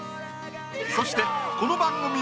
そしてこの番組を